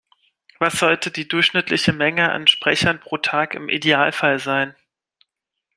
Was sollte die durchschnittliche Menge an Sprechern pro Tag im Idealfall sein?